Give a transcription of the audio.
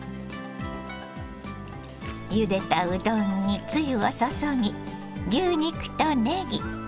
ゆでたうどんにつゆを注ぎ牛肉とねぎ。